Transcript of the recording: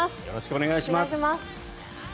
よろしくお願いします。